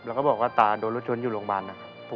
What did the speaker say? แล้วก็บอกว่าตาโดนรถชนอยู่โรงพยาบาลนะครับ